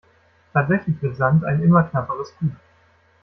Tatsächlich wird Sand ein immer knapperes Gut.